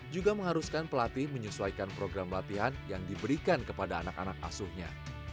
juga mengharuskan pelatih menyesuaikan program latihan yang diberikan kepada anak anak asuhnya